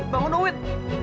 bangun oh wait